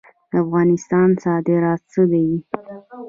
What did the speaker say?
د افغانستان صادرات څه دي؟